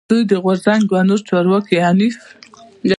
د دوی د غورځنګ دوه نور چارواکی حنیف